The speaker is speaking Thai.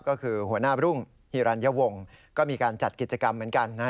ก็คือหัวหน้าบรุงฮิรัณยวงก็มีการจัดกิจกรรมเหมือนกันนะฮะ